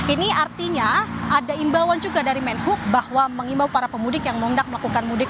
ini artinya ada imbauan juga dari menhub bahwa mengimbau para pemudik yang mau tidak melakukan mudik